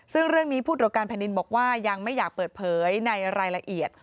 ซึ่งเรื่องนี้ผู้ตรวจการแผ่นดินบอกว่ายังไม่อยากเปิดเผยในรายละเอียด